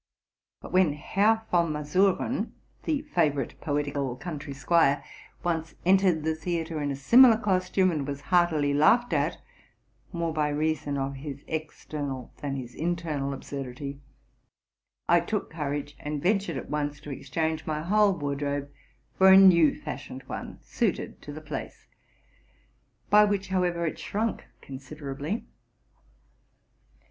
But when Herr von Masuren, the favorite poetical country squire, once entered the theatre in a similar costume, and was heartily laughed at, more by reason of his external than his internal absurdity, I took courage, and ventured at once to exchange my whole wardrobe for a new fashioned one, suited to the place, by which, however, it shrunk considerably.